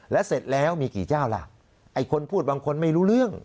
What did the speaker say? แล้วเสร็จแล้วมีกี่เจ้าล่ะไอ้คนพูดบางคนไม่รู้เรื่อง